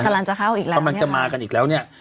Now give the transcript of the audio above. กำลังจะเข้าอีกแล้วเนี่ยค่ะ